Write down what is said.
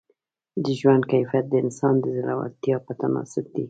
د ژوند کیفیت د انسان د زړورتیا په تناسب دی.